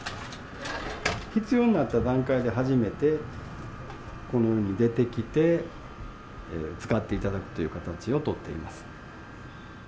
必要になった段階で初めてこのように出てきて、使っていただくという形を取っています。